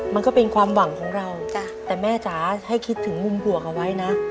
มันก็เป็นความหวังของเราแต่แม่จ๋าให้คิดถึงมุมห่วงเอาไว้นะ